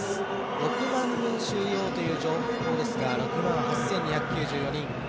６万人収容という情報ですが６万８２９４人。